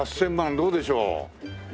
どうでしょう？